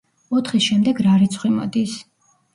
ოთხის შემდეგ რა რიცხვი მოდის?